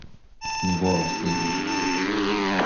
Mi volas vin.